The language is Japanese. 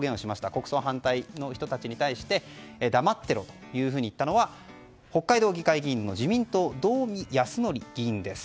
国葬反対の人たちに対して黙ってろというふうに言ったのは北海道議会議員の自民党、道見泰憲議員です。